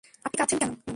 আপনি কাঁদছেন কেন?